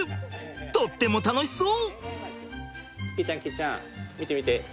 とっても楽しそう！